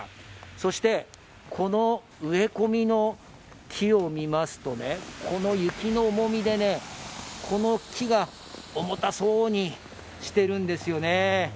そして、この植え込みの木を見ますと、この雪の重みでこの木が重たそうにしてるんですよね。